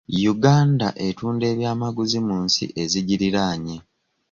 Uganda etunda ebyamaguzi mu nsi ezigiriraanye.